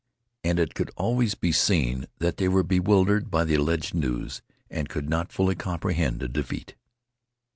And it could always be seen that they were bewildered by the alleged news and could not fully comprehend a defeat.